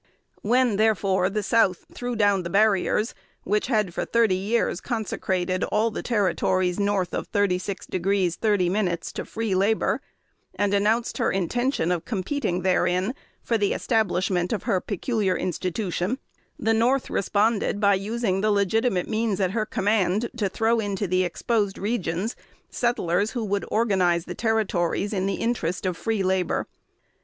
When, therefore, the South threw down the barriers which had for thirty years consecrated all the Territories north of 36° 30' to free labor, and announced her intention of competing therein for the establishment of her "peculiar institution," the North responded by using the legitimate means at her command to throw into the exposed regions settlers who would organize the Territories in the interest of free labor.